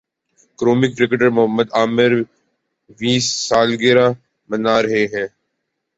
قومی کرکٹر محمد عامر ویں سالگرہ منا رہے ہیں